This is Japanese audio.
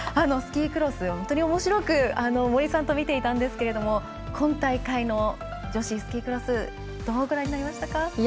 スキークロス、本当におもしろく森さんと見ていたんですけど今大会の女子スキークロスどうご覧になりましたか。